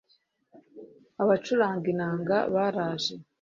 abacuranga inanga baraje